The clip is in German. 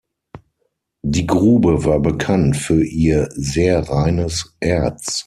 Die Grube war bekannt für ihr sehr reines Erz.